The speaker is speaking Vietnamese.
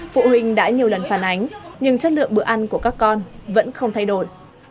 phụ huynh đã nhiều lần phản ánh nhưng chất lượng bữa ăn của các con vẫn không thay đổi